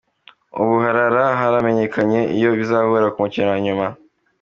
Ubu harara hamenyekanye iyo bizahura ku mukino wa nyuma.